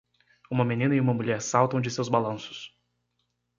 Uma menina e uma mulher saltam de seus balanços.